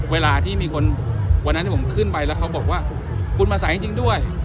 เวลาที่มีคนวันนั้นที่ผมขึ้นไปแล้วเขาบอกว่าคุณมาใส่จริงด้วย